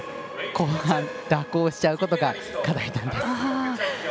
後半蛇行しちゃうことが課題なんです。